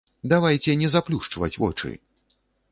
Давайце не заплюшчваць вочы!